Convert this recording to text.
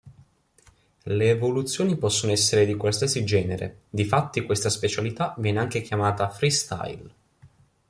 Le evoluzioni possono essere di qualsiasi genere, difatti questa specialità viene anche chiamata "freestyle".